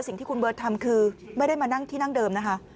สิ่งที่คุณเบิร์ตทำคือไม่ได้มานั่งที่นั่งเดิมนะคะ